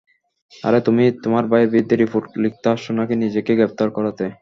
আরে তুমি তোমার ভাইয়ের বিরুদ্ধে রিপোর্ট লিখতে আসছো নাকি নিজেকে গ্রেফতার করাতে?